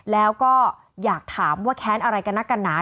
แล้วก็อยากถามว่าแค้นอะไรกันนักกันหนา